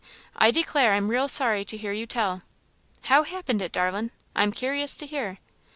I declare I'm real sorry to hear you tell. How happened it, darlin'? I'm cur'ous to hear."